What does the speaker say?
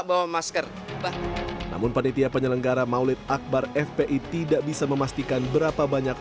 bawa masker namun panitia penyelenggara maulid akbar fpi tidak bisa memastikan berapa banyak